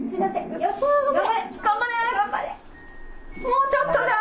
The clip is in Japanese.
もうちょっとだ！